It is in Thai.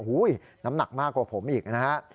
น้ำหนักมากกว่าผมอีกนะฮะ